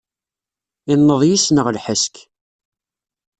Inneḍ yis-neɣ lḥesk.